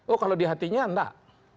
oh kalau di hatinya enggak